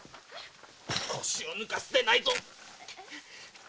腰を抜かすでないぞ！